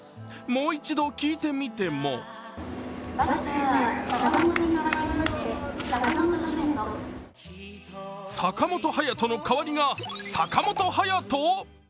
もう一度聞いてみても坂本勇人の代わりが坂本勇人？